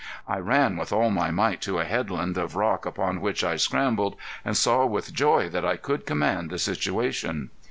I ran with all my might to a headland of rock upon which I scrambled and saw with joy that I could command the situation.